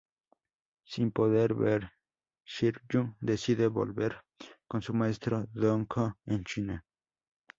Sin poder ver, Shiryu decide volver con su maestro Dohko en China.